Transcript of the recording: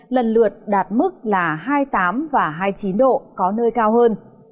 lần lượt đạt mức là hai mươi tám và hai mươi chín độ có nơi cao hơn